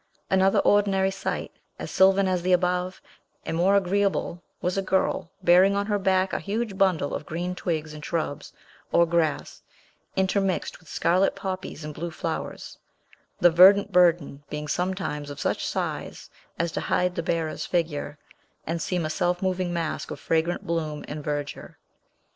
Another ordinary sight, as sylvan as the above and more agreeable, was a girl, bearing on her back a huge bundle of green twigs and shrubs, or grass, intermixed with scarlet poppies and blue flowers; the verdant burden being sometimes of such size as to hide the bearer's figure, and seem a self moving mass of fragrant bloom and verdure.